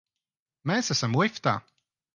Mēs esam liftā!